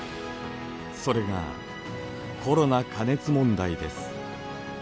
それがコロナ加熱問題です。